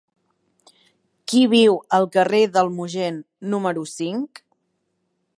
Qui viu al carrer del Mogent número cinc?